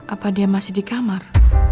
apa dia masih di kamar